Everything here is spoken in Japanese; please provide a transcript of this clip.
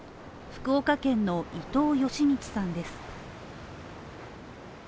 福岡県の伊藤嘉通さんです。